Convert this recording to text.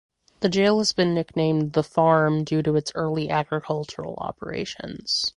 The jail has been nicknamed "The Farm" due to its early agricultural operations.